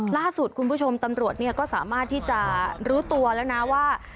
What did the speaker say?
ล่าสุดคุณผู้ชมตำรวจก็สามารถที่จะรู้ตัวแล้วนะว่า